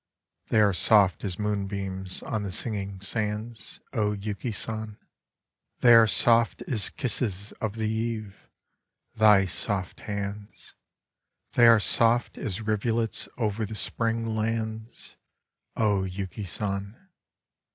They are soft as moonbeams on the singing sands, O Yuki San ! 74 f^ose Poems They are soft as kisses of the eve, thy soft hands ; they are soft as rivulets over the Spring lands, O Yuki San